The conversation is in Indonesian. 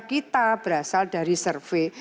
kita berasal dari survei